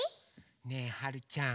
ねえはるちゃん。